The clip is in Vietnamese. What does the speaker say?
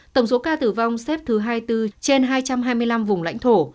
tổng số ca tử vong xếp thứ hai mươi bốn trên hai trăm hai mươi năm vùng lãnh thổ